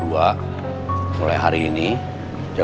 ya aku temenin ya